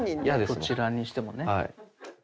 どちらにしてもね。